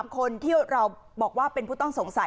คนที่เราบอกว่าเป็นผู้ต้องสงสัย